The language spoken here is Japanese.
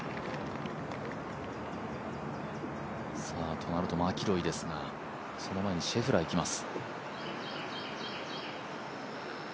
となるとマキロイですがその前にシェフラーいきます。